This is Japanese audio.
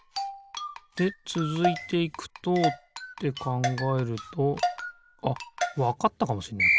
でつづいていくとってかんがえるとあっわかったかもしんない